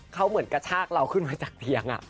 เขาเหมือนกระชากเราขึ้นมาจากเตียง